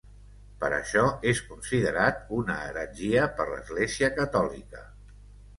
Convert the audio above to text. Per això és considerat una heretgia per l'Església catòlica.